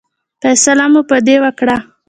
فیصله مو په دې وکړه.